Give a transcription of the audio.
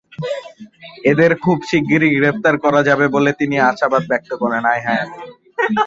এঁদের খুব শিগগির গ্রেপ্তার করা যাবে বলে তিনি আশাবাদ ব্যক্ত করেন।